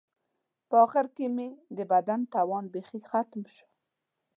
په آخر کې مې د بدن توان بیخي ختم شو.